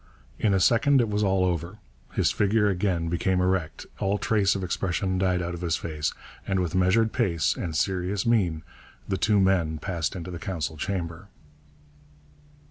In a second it was all over, his figure again became erect, all trace of expression died out of his face, and with measured pace and serious mien the two men passed into the council chamber.